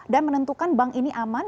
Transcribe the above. dan menentukan bank ini aman